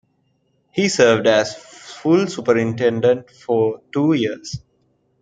He served as full Superintendent for two years.